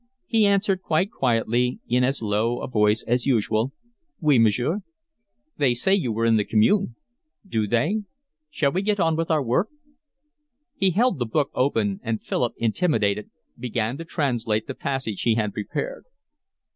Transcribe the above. He answered quite quietly in as low a voice as usual. "Oui, monsieur." "They say you were in the Commune?" "Do they? Shall we get on with our work?" He held the book open and Philip, intimidated, began to translate the passage he had prepared.